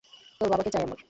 তোর বাবাকে চাই আমার।